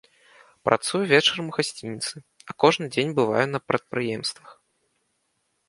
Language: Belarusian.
Працую вечарам у гасцініцы, а кожны дзень бываю на прадпрыемствах.